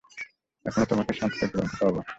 এখন ও তোমাকে শান্তিতে ঘুম পাড়াবে।